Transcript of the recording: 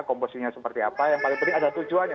komposinya seperti apa yang paling penting ada tujuannya